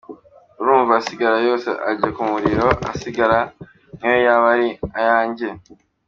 Urumva asigara yose ajya ku muriro, asigara ni yo aba ari ayanjye.